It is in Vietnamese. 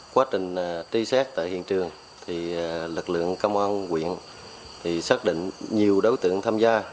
quá trình tươi xét tại hiện trường lực lượng công an huyện xác định nhiều đối tượng tham gia